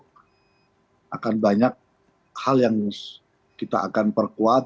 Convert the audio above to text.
jadi akan banyak hal yang kita akan perkuat